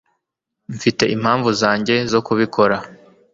mfite impamvu zanjye zo kubikora